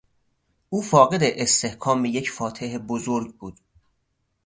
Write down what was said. او فاقد استحکام یک فاتح بزرگ بود.